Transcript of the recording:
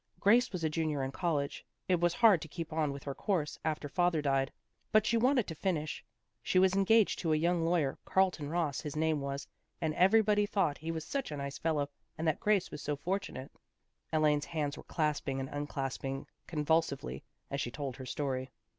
Grace was a Junior in college. It was hard to keep on with her course, after father died, but she wanted to finish. She was engaged to a young lawyer, Carlton Ross his name was, and every body thought he was such a nice fellow and that Grace was so fortunate." Elaine's hands were clasping and unclasping convulsively, as she told her story.